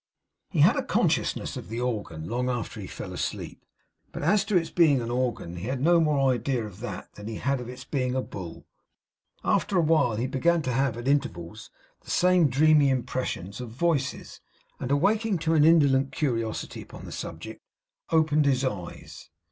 He had a consciousness of the organ, long after he fell asleep, though as to its being an organ he had no more idea of that than he had of its being a bull. After a while he began to have at intervals the same dreamy impressions of voices; and awakening to an indolent curiosity upon the subject, opened his eyes.